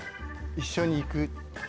一緒に行く？